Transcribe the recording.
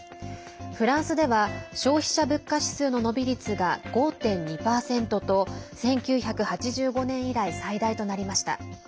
フランスでは消費者物価指数の伸び率が５．２％と１９８５年以来最大となりました。